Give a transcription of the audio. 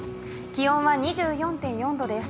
気温は２４．４度です。